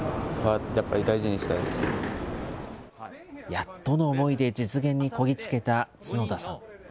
やっとの思いで実現にこぎ着けた角田さん。